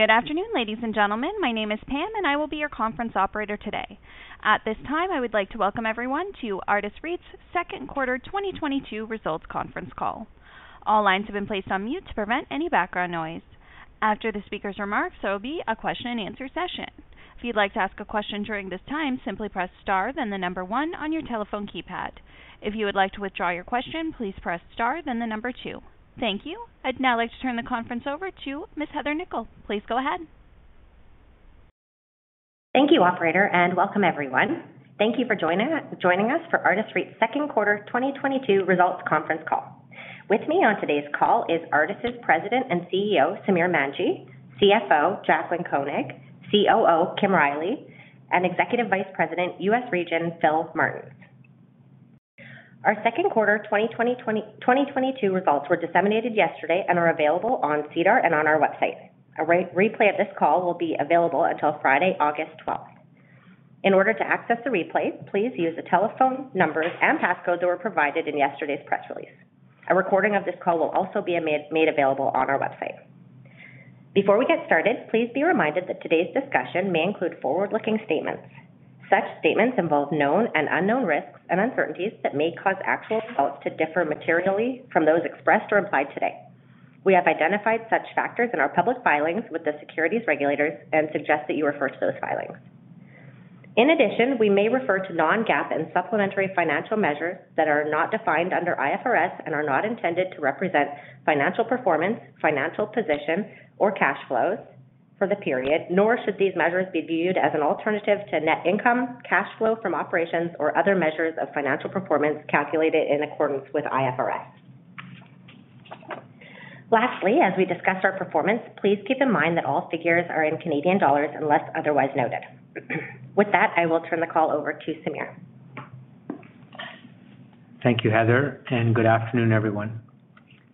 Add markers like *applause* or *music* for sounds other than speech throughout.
Good afternoon, ladies and gentlemen. My name is Pam, and I will be your conference operator today. At this time, I would like to welcome everyone to Artis REIT's second quarter 2022 results conference call. All lines have been placed on mute to prevent any background noise. After the speaker's remarks, there will be a question-and-answer session. If you'd like to ask a question during this time, simply press star then the number one on your telephone keypad. If you would like to withdraw your question, please press star then the number two. Thank you. I'd now like to turn the conference over to Ms. Heather Nikkel. Please go ahead. Thank you, operator, and welcome everyone. Thank you for joining us for Artis REIT's second quarter 2022 results conference call. With me on today's call is Artis' President and CEO, Samir Manji, CFO Jaclyn Koenig, COO Kim Riley, and Executive Vice President, US Region, Philip Martens. Our second quarter 2022 results were disseminated yesterday and are available on SEDAR and on our website. A replay of this call will be available until Friday, August 12. In order to access the replay, please use the telephone numbers and passcodes that were provided in yesterday's press release. A recording of this call will also be made available on our website. Before we get started, please be reminded that today's discussion may include forward-looking statements. Such statements involve known and unknown risks and uncertainties that may cause actual results to differ materially from those expressed or implied today. We have identified such factors in our public filings with the securities regulators and suggest that you refer to those filings. In addition, we may refer to non-GAAP and supplementary financial measures that are not defined under IFRS and are not intended to represent financial performance, financial position, or cash flows for the period, nor should these measures be viewed as an alternative to net income, cash flow from operations, or other measures of financial performance calculated in accordance with IFRS. Lastly, as we discuss our performance, please keep in mind that all figures are in Canadian dollars unless otherwise noted. With that, I will turn the call over to Samir. Thank you, Heather, and good afternoon, everyone.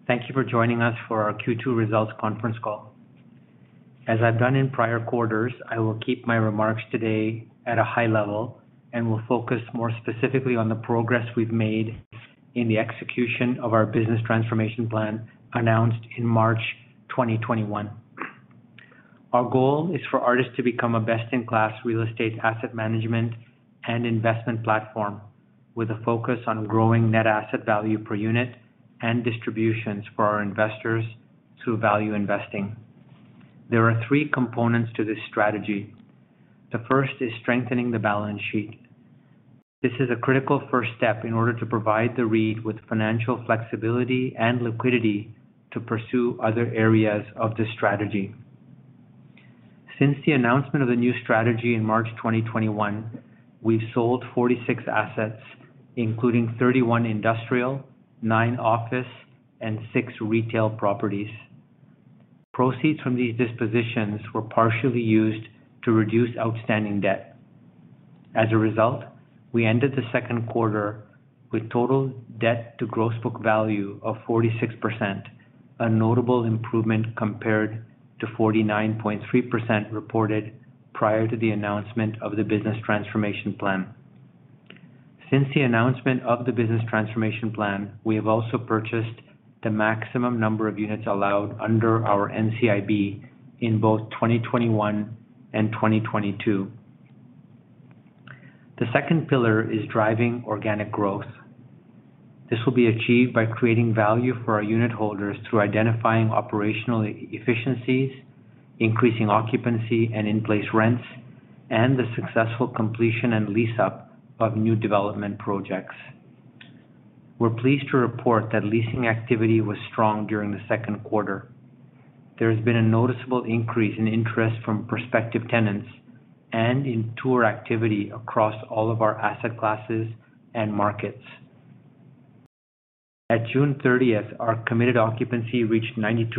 Thank you for joining us for our Q2 results conference call. As I've done in prior quarters, I will keep my remarks today at a high level and will focus more specifically on the progress we've made in the execution of our business transformation plan announced in March 2021. Our goal is for Artis to become a best-in-class real estate asset management and investment platform with a focus on growing Net Asset Value per unit and distributions for our investors through value investing. There are three components to this strategy. The first is strengthening the balance sheet. This is a critical first step in order to provide the REIT with financial flexibility and liquidity to pursue other areas of this strategy. Since the announcement of the new strategy in March 2021, we've sold 46 assets, including 31 industrial, nine office, and six retail properties. Proceeds from these dispositions were partially used to reduce outstanding debt. As a result, we ended the second quarter with total debt to Gross Book Value of 46%, a notable improvement compared to 49.3% reported prior to the announcement of the business transformation plan. Since the announcement of the business transformation plan, we have also purchased the maximum number of units allowed under our NCIB in both 2021 and 2022. The second pillar is driving organic growth. This will be achieved by creating value for our unitholders through identifying operational efficiencies, increasing occupancy and in-place rents, and the successful completion and lease-up of new development projects. We're pleased to report that leasing activity was strong during the second quarter. There has been a noticeable increase in interest from prospective tenants and in tour activity across all of our asset classes and markets. At June 30th, our committed occupancy reached 92%,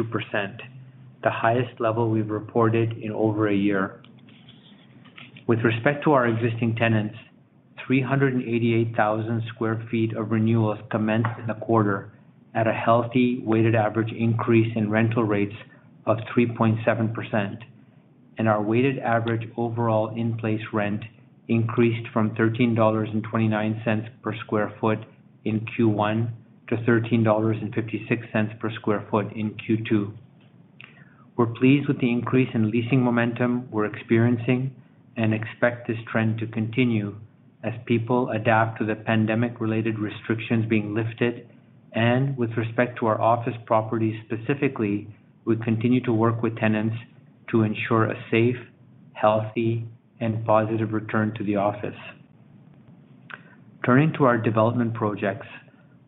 the highest level we've reported in over a year. With respect to our existing tenants, 388,000 sq ft of renewals commenced in the quarter at a healthy weighted average increase in rental rates of 3.7%, and our weighted average overall in-place rent increased from 13.29 dollars per sq ft in Q1 to 13.56 dollars per sq ft in Q2. We're pleased with the increase in leasing momentum we're experiencing and expect this trend to continue as people adapt to the pandemic-related restrictions being lifted, and with respect to our office properties specifically, we continue to work with tenants to ensure a safe, healthy, and positive return to the office. Turning to our development projects.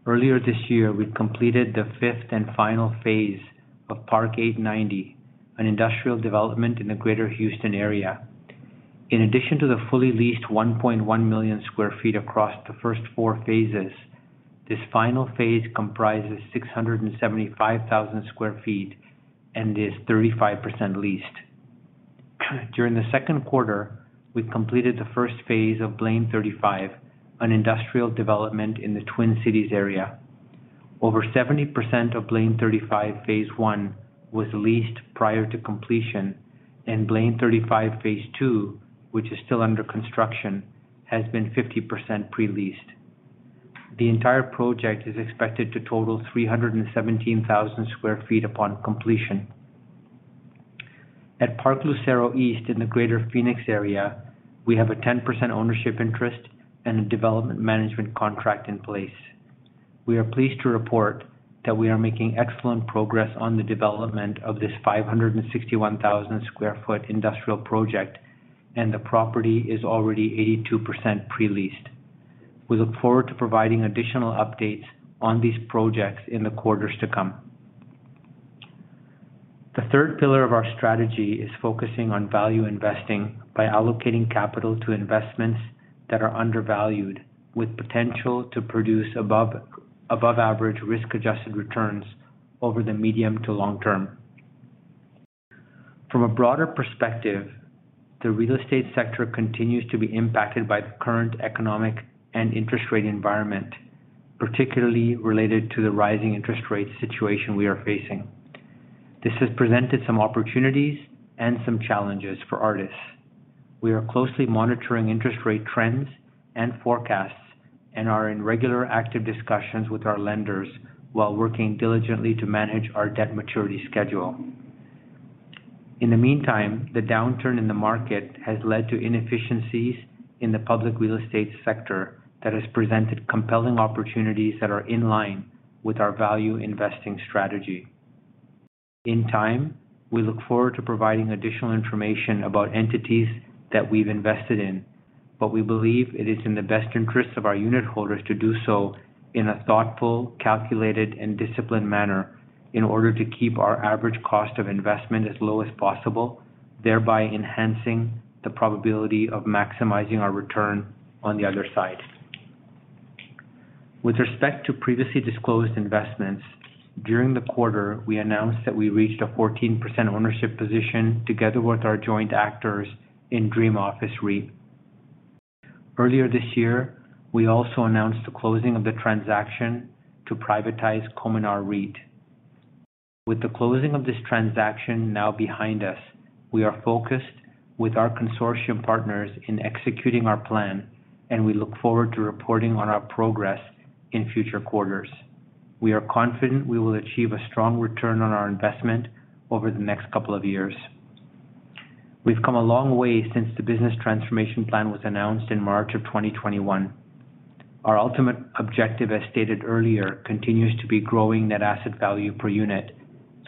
Earlier this year, we completed the fifth and final phase of Park 8Ninety, an industrial development in the Greater Houston area. In addition to the fully leased 1.1 million sq ft across the first four phases, this final phase comprises 675,000 sq ft and is 35% leased. During the second quarter, we completed the first phase of Blaine35, an industrial development in the Twin Cities area. Over 70% of Blaine35 phase I was leased prior to completion, and Blaine35 phase II, which is still under construction, has been 50% pre-leased. The entire project is expected to total 317,000 sq ft upon completion. At Park Lucero East in the Greater Phoenix area, we have a 10% ownership interest and a development management contract in place. We are pleased to report that we are making excellent progress on the development of this 561,000 sq ft industrial project, and the property is already 82% pre-leased. We look forward to providing additional updates on these projects in the quarters to come. The third pillar of our strategy is focusing on value investing by allocating capital to investments that are undervalued with potential to produce above average risk-adjusted returns over the medium to long term. From a broader perspective, the real estate sector continues to be impacted by the current economic and interest rate environment, particularly related to the rising interest rate situation we are facing. This has presented some opportunities and some challenges for Artis. We are closely monitoring interest rate trends and forecasts and are in regular active discussions with our lenders while working diligently to manage our debt maturity schedule. In the meantime, the downturn in the market has led to inefficiencies in the public real estate sector that has presented compelling opportunities that are in line with our value investing strategy. In time, we look forward to providing additional information about entities that we've invested in, but we believe it is in the best interest of our unit holders to do so in a thoughtful, calculated, and disciplined manner in order to keep our average cost of investment as low as possible, thereby enhancing the probability of maximizing our return on the other side. With respect to previously disclosed investments, during the quarter, we announced that we reached a 14% ownership position, together with our joint actors in Dream Office REIT. Earlier this year, we also announced the closing of the transaction to privatize Cominar REIT. With the closing of this transaction now behind us, we are focused with our consortium partners in executing our plan, and we look forward to reporting on our progress in future quarters. We are confident we will achieve a strong return on our investment over the next couple of years. We've come a long way since the business transformation plan was announced in March 2021. Our ultimate objective, as stated earlier, continues to be growing Net Asset Value per unit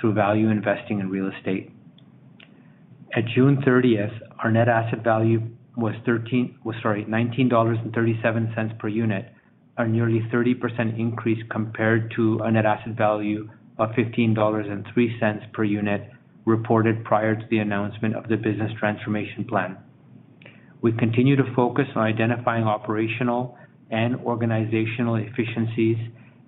through value investing in real estate. At June 30th, our Net Asset Value was 19.37 dollars per unit, a nearly 30% increase compared to a Net Asset Value of 15.03 dollars per unit reported prior to the announcement of the business transformation plan. We continue to focus on identifying operational and organizational efficiencies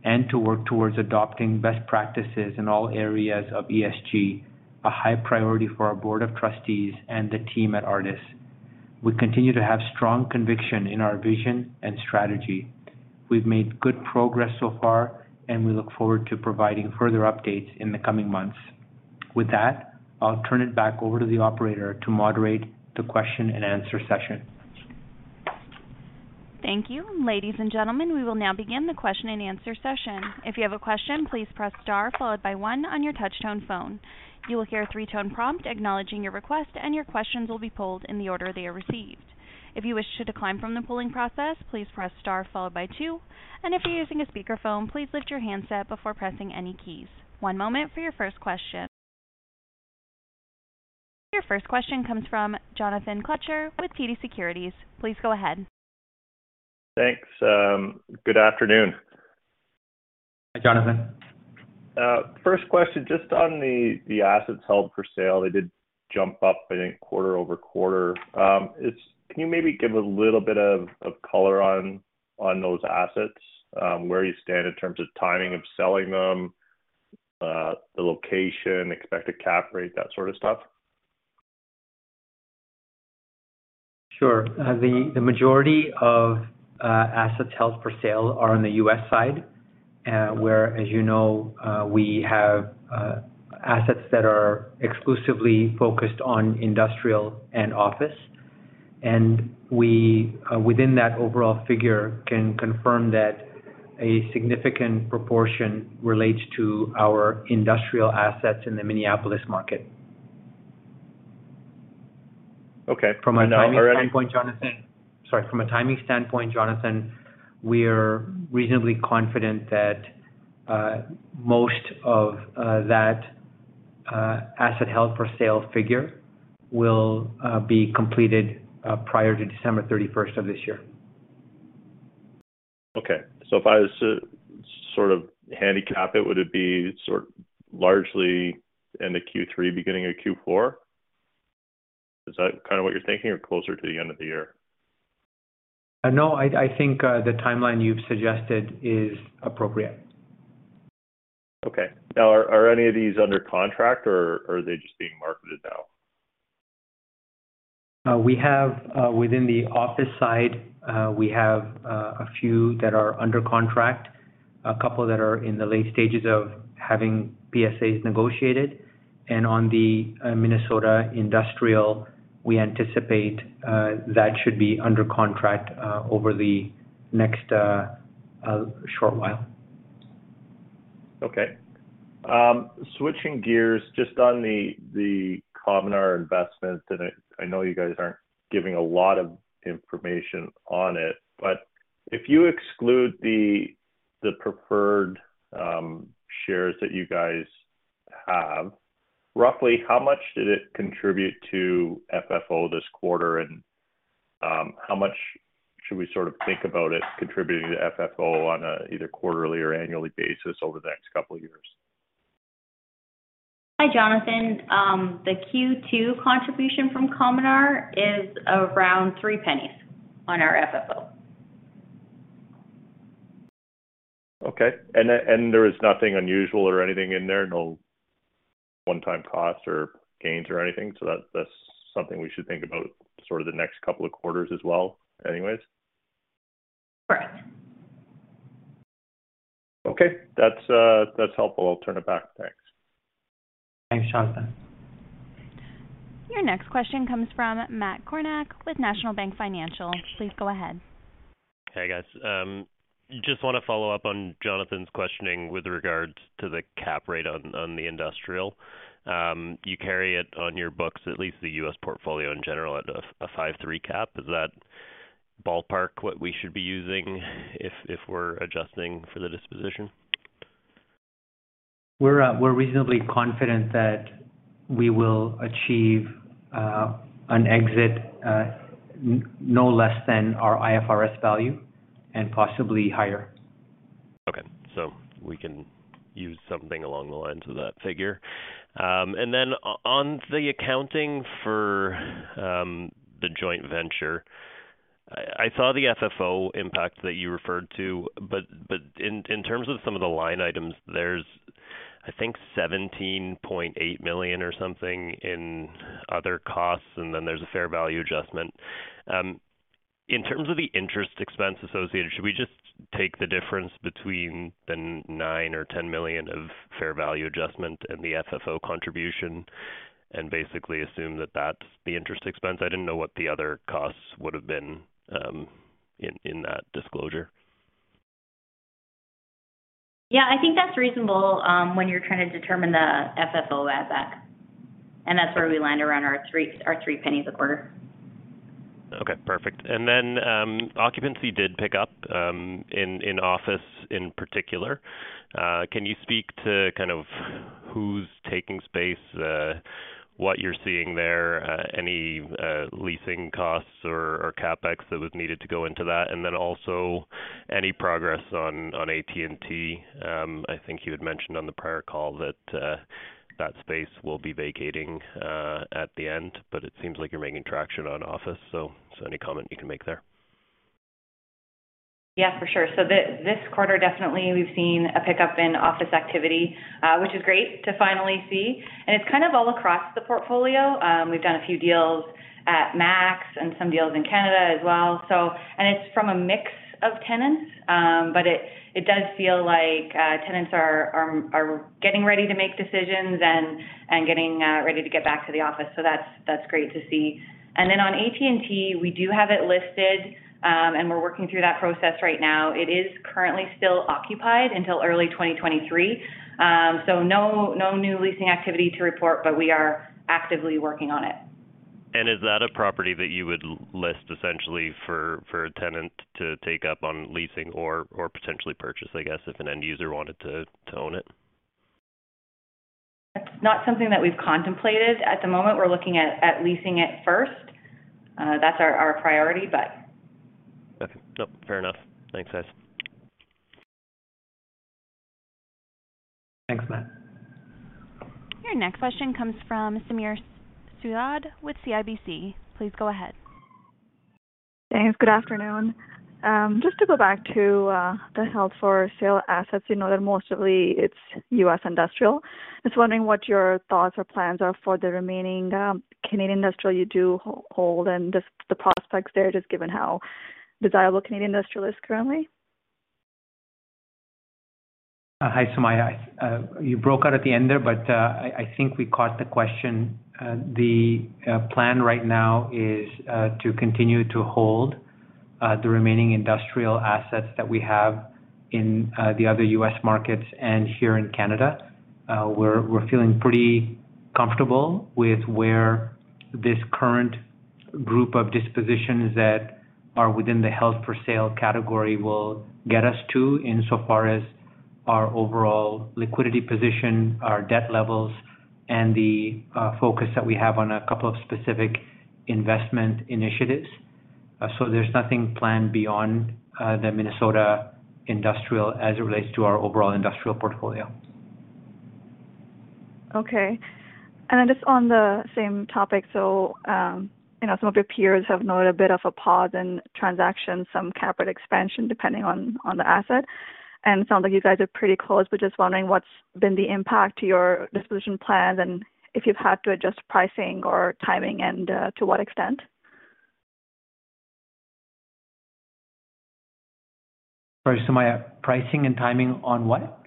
and to work towards adopting best practices in all areas of ESG, a high priority for our board of trustees and the team at Artis. We continue to have strong conviction in our vision and strategy. We've made good progress so far, and we look forward to providing further updates in the coming months. With that, I'll turn it back over to the operator to moderate the question-and-answer session. Thank you. Ladies and gentlemen, we will now begin the question and answer session. If you have a question, please press star followed by one on your touch tone phone. You will hear a three-tone prompt acknowledging your request, and your questions will be pulled in the order they are received. If you wish to decline from the polling process, please press star followed by two. If you're using a speakerphone, please lift your handset before pressing any keys. One moment for your first question. Your first question comes from Jonathan Kelcher with TD Securities. Please go ahead. Thanks. Good afternoon. Hi, Jonathan. First question, just on the assets held for sale, they did jump up, I think, quarter-over-quarter. Can you maybe give a little bit of color on those assets, where you stand in terms of timing of selling them, the location, expected Capitalization Rate, that sort of stuff? Sure. The majority of assets held for sale are on the U.S. side, where, as you know, we have assets that are exclusively focused on industrial and office. We, within that overall figure, can confirm that a significant proportion relates to our industrial assets in the Minneapolis market. Okay. Are any. *crosstalk* From a timing standpoint, Jonathan, we are reasonably confident that most of that asset held for sale figure will be completed prior to December 31st of this year. Okay. If I was to sort of handicap it, would it be sold largely end of Q3, beginning of Q4? Is that kind of what you're thinking, or closer to the end of the year? No, I think the timeline you've suggested is appropriate. Okay. Now, are any of these under contract or are they just being marketed now? We have within the office side a few that are under contract. A couple that are in the late stages of having PSAs negotiated. On the Minnesota Industrial, we anticipate that should be under contract over the next short while. Okay. Switching gears just on the Cominar investment, and I know you guys aren't giving a lot of information on it, but if you exclude the preferred shares that you guys have, roughly how much did it contribute to FFO this quarter? How much should we sort of think about it contributing to FFO on an either quarterly or annually basis over the next couple of years? Hi, Jonathan. The Q2 contribution from Cominar is around 0.03 on our FFO. Okay. There is nothing unusual or anything in there, no one-time cost or gains or anything. That's something we should think about sort of the next couple of quarters as well, anyways? Correct. Okay. That's helpful. I'll turn it back. Thanks. Thanks, Jonathan. Your next question comes from Matt Kornack with National Bank Financial. Please go ahead. Hey, guys. Just wanna follow up on Jonathan's questioning with regards to the capitalization rate on the industrial. Do you carry it on your books, at least the U.S. portfolio in general at a 5.3% cap? Is that ballpark what we should be using if we're adjusting for the disposition? We're reasonably confident that we will achieve an exit no less than our IFRS value and possibly higher. Okay. We can use something along the lines of that figure. On the accounting for the joint venture, I saw the FFO impact that you referred to, but in terms of some of the line items, there's I think 17.8 million or something in other costs, and then there's a fair value adjustment. In terms of the interest expense associated, should we just take the difference between the 9 or 10 million of fair value adjustment and the FFO contribution and basically assume that that's the interest expense? I didn't know what the other costs would have been in that disclosure. Yeah, I think that's reasonable when you're trying to determine the FFO asset. That's where we land around our 0.03 a quarter. Okay, perfect. Occupancy did pick up in office in particular. Can you speak to kind of who's taking space, what you're seeing there, any leasing costs or CapEx that was needed to go into that? Also, any progress on AT&T. I think you had mentioned on the prior call that that space will be vacating at the end, but it seems like you're making traction on office. Any comment you can make there? Yeah, for sure. This quarter, definitely we've seen a pickup in office activity, which is great to finally see. It's kind of all across the portfolio. We've done a few deals at MAX and some deals in Canada as well. It's from a mix of tenants. But it does feel like tenants are getting ready to make decisions and getting ready to get back to the office. That's great to see. Then on AT&T, we do have it listed, and we're working through that process right now. It is currently still occupied until early 2023. No new leasing activity to report, but we are actively working on it. Is that a property that you would list essentially for a tenant to take up on leasing or potentially purchase, I guess, if an end user wanted to own it? That's not something that we've contemplated. At the moment, we're looking at leasing it first. That's our priority, but. Okay. Nope. Fair enough. Thanks, guys. Thanks, Matt. Your next question comes from [Sumaya Suhail] with CIBC. Please go ahead. Thanks. Good afternoon. Just to go back to the held for sale assets, you know that mostly it's U.S. industrial. Just wondering what your thoughts or plans are for the remaining Canadian industrial you do hold and the prospects there, just given how desirable Canadian industrial is currently. Hi, Sumaya. You broke out at the end there, but I think we caught the question. The plan right now is to continue to hold the remaining industrial assets that we have in the other U.S. markets and here in Canada. We're feeling pretty comfortable with where this current group of dispositions that are within the held for sale category will get us to insofar as our overall liquidity position, our debt levels, and the focus that we have on a couple of specific investment initiatives. There's nothing planned beyond the Minnesota Industrial as it relates to our overall industrial portfolio. Okay. Just on the same topic. You know, some of your peers have noted a bit of a pause in transaction, some CapEx expansion depending on the asset. It sounds like you guys are pretty close. Just wondering what's been the impact to your disposition plans and if you've had to adjust pricing or timing, and to what extent? Sorry, Sumaya. Pricing and timing on what?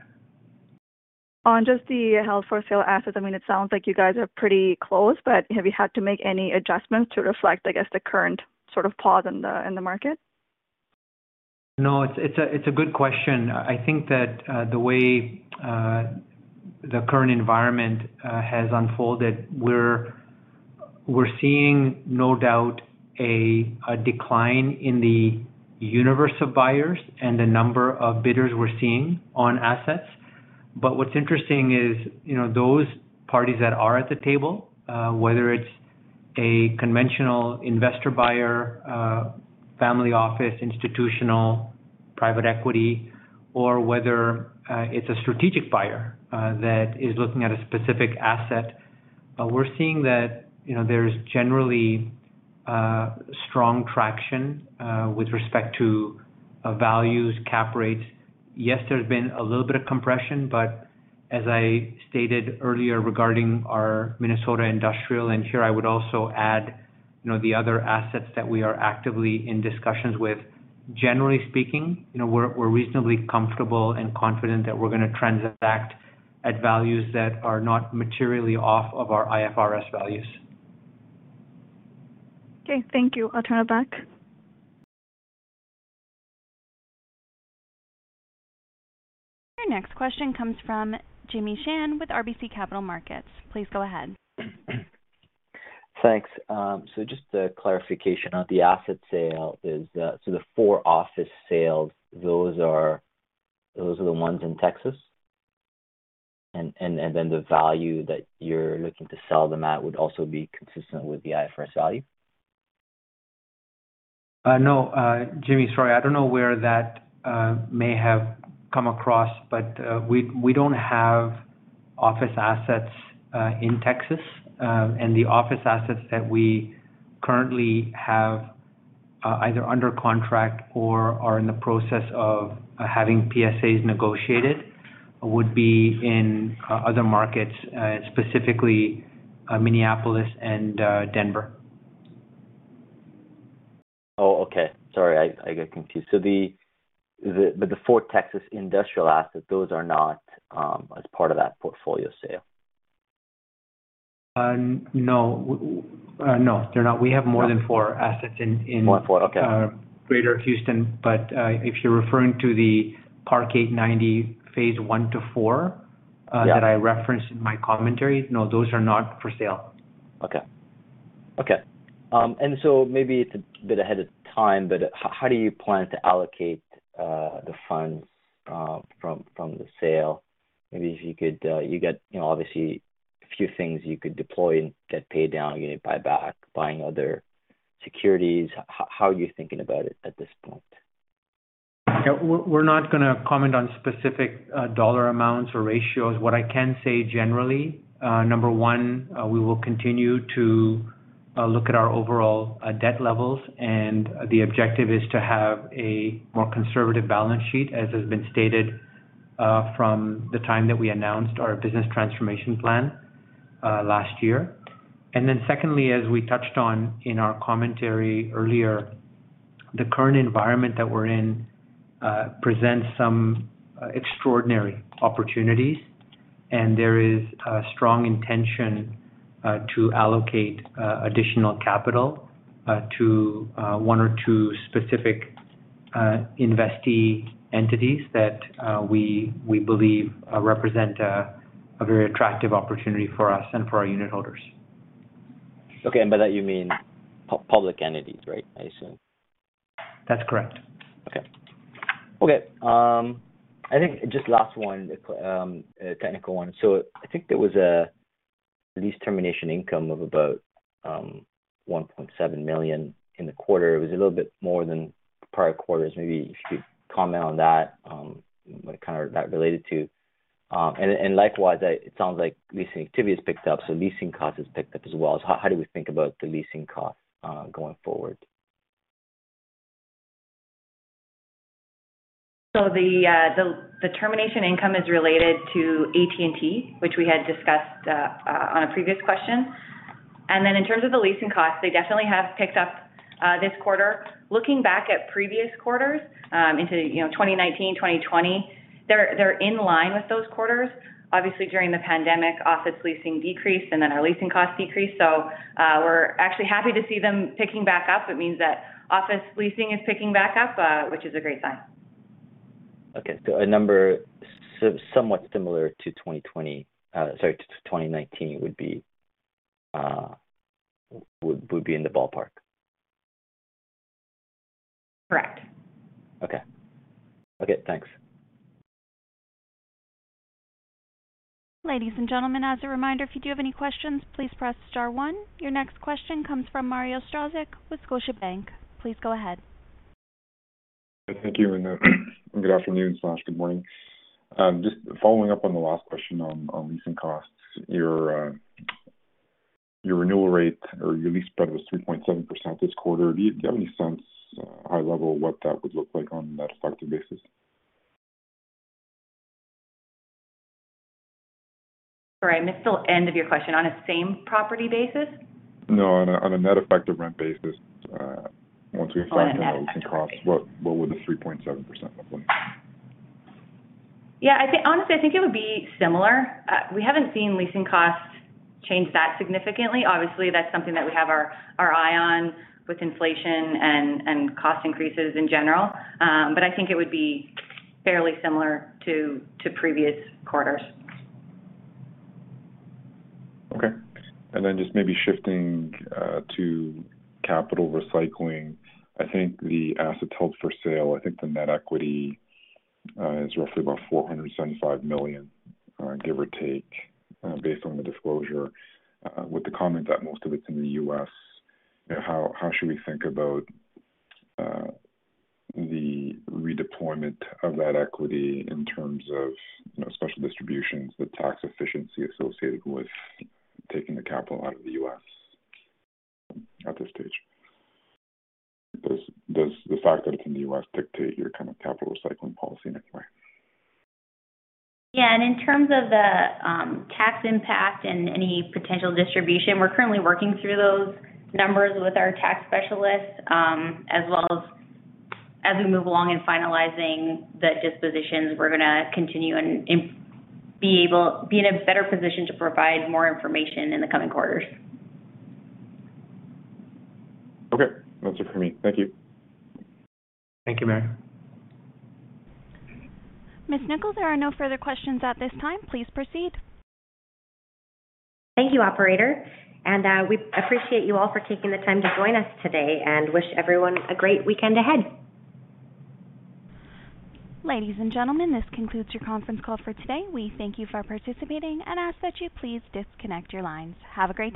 On just the held for sale assets. I mean, it sounds like you guys are pretty close, but have you had to make any adjustments to reflect, I guess, the current sort of pause in the market? No, it's a good question. I think that the way the current environment has unfolded, we're seeing no doubt a decline in the universe of buyers and the number of bidders we're seeing on assets. What's interesting is, you know, those parties that are at the table, whether it's a conventional investor buyer, family office, institutional private equity, or whether it's a strategic buyer that is looking at a specific asset, we're seeing that, you know, there's generally strong traction with respect to values, cap rates. Yes, there's been a little bit of compression, but as I stated earlier regarding our Minnesota industrial, and here I would also add, you know, the other assets that we are actively in discussions with, generally speaking, you know, we're reasonably comfortable and confident that we're gonna transact at values that are not materially off of our IFRS values. Okay, thank you. I'll turn it back. Your next question comes from Jimmy Shan with RBC Capital Markets. Please go ahead. Thanks. Just a clarification on the asset sale. The four office sales, those are the ones in Texas? The value that you're looking to sell them at would also be consistent with the IFRS value? No. Jimmy, sorry. I don't know where that may have come across, but we don't have office assets in Texas. The office assets that we currently have either under contract or are in the process of having PSAs negotiated would be in other markets, specifically, Minneapolis and Denver. Oh, okay. Sorry, I got confused. So, the but the four Texas industrial assets, those are not as part of that portfolio sale? No, they're not. We have more than four assets in. More than four. Okay. Greater Houston. If you're referring to the Park 8Ninety phase I to phase IV. Yeah. that I referenced in my commentary, no, those are not for sale. Okay. Maybe it's a bit ahead of time, but how do you plan to allocate the funds from the sale? Maybe if you could, you got, you know, obviously a few things you could deploy and get paid down, unit buyback, buying other securities. How are you thinking about it at this point? Yeah. We're not gonna comment on specific dollar amounts or ratios. What I can say generally, number one, we will continue to look at our overall debt levels, and the objective is to have a more conservative balance sheet, as has been stated, from the time that we announced our business transformation plan, last year. Then secondly, as we touched on in our commentary earlier, the current environment that we're in presents some extraordinary opportunities, and there is a strong intention to allocate additional capital to one or two specific investee entities that we believe represent a very attractive opportunity for us and for our unit holders. Okay. By that you mean public entities, right? I assume. That's correct. I think just last one, a technical one. I think there was a lease termination income of about 1.7 million in the quarter. It was a little bit more than prior quarters. Maybe if you could comment on that, what kind of that related to. And likewise, it sounds like leasing activity has picked up, so leasing costs has picked up as well. How do we think about the leasing costs going forward? The termination income is related to AT&T, which we had discussed on a previous question. Then in terms of the leasing costs, they definitely have picked up this quarter. Looking back at previous quarters into 2019, 2020, they're in line with those quarters. Obviously, during the pandemic, office leasing decreased, and then our leasing costs decreased. We're actually happy to see them picking back up. It means that office leasing is picking back up, which is a great sign. A number somewhat similar to 2020 to 2019 would be in the ballpark? Correct. Okay, thanks. Ladies and gentlemen, as a reminder, if you do have any questions, please press star one. Your next question comes from Mario Saric with Scotiabank. Please go ahead. Thank you. Good afternoon/good morning. Just following up on the last question on leasing costs. Your renewal rate or your lease spread was 3.7% this quarter. Do you have any sense, high level, what that would look like on a net effective basis? Sorry, I missed the end of your question. On a same property basis? No, on a Net Effective Rent basis, once we factor in those costs, what would the 3.7% look like? Yeah, I think honestly, I think it would be similar. We haven't seen leasing costs change that significantly. Obviously, that's something that we have our eye on with inflation and cost increases in general. I think it would be fairly similar to previous quarters. Okay. Just maybe shifting to capital recycling. I think the assets held for sale, the net equity is roughly about $475 million, give or take, based on the disclosure, with the comment that most of it's in the U.S. You know, how should we think about the redeployment of that equity in terms of, you know, special distributions, the tax efficiency associated with taking the capital out of the U.S. at this stage? Does the fact that it's in the U.S. dictate your kind of capital recycling policy in any way? Yeah, in terms of the tax impact and any potential distribution, we're currently working through those numbers with our tax specialists. As well as we move along in finalizing the dispositions, we're gonna continue and be in a better position to provide more information in the coming quarters. Okay. That's it for me. Thank you. Thank you, Mario. Ms. Nikkel, there are no further questions at this time. Please proceed. Thank you, operator. We appreciate you all for taking the time to join us today, and wish everyone a great weekend ahead. Ladies and gentlemen, this concludes your conference call for today. We thank you for participating and ask that you please disconnect your lines. Have a great day.